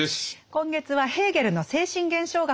今月はヘーゲルの「精神現象学」